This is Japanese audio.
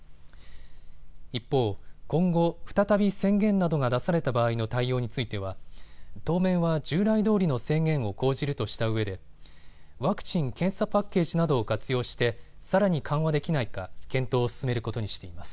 一方、今後、再び宣言などが出された場合の対応については当面は従来どおりの制限を講じるとしたうえでワクチン・検査パッケージなどを活用してさらに緩和できないか検討を進めることにしています。